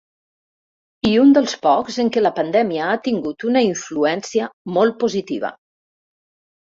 I un dels pocs en què la pandèmia ha tingut una influència molt positiva.